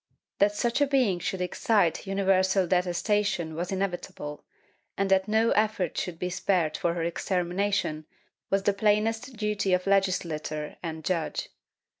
That such a being should excite universal detestation was inevitable, and that no effort should be spared for her extermination was the plainest duty of legislator and judge.